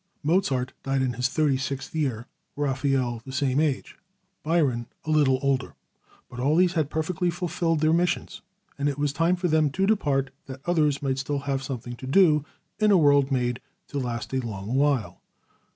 Mozart died in his thirty sixth year. Raphael at the same age. Byron a little older. But all these had perfectly fulfilled their missions, and it was time for them to depart that others might still have something to do in a world made to last a long while.